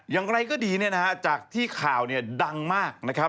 อย่างไรก็ดีนะฮะจากที่ข่าวดังมากนะครับ